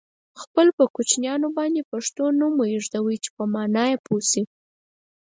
خپل پر کوچنیانو باندي پښتو نوم ویږدوی چې په مانا یې پوه سی.